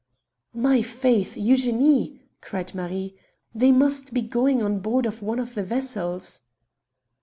"My faith, Eugenie!" cried Marie, "they must be going on board one of the vessels."